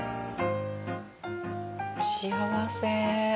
幸せ！